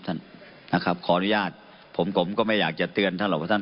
ท่านนะครับขออนุญาตผมผมก็ไม่อยากจะเตือนท่านหรอกว่าท่าน